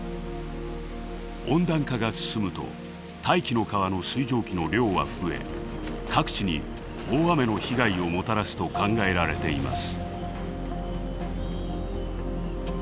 温暖化が進むと「大気の川」の水蒸気の量は増え各地に大雨の被害をもたらすと考えられています。